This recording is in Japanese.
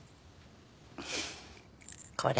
これ。